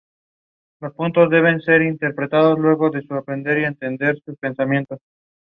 She authored numerous works about good manners.